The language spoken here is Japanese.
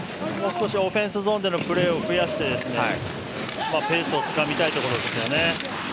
もう少しオフェンスゾーンでのプレーを増やしてペースをつかみたいところですね。